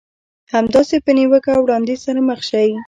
همداسې په نيوکه او وړانديز سره مخ شئ.